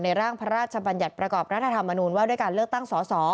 ร่างพระราชบัญญัติประกอบรัฐธรรมนูญว่าด้วยการเลือกตั้งสส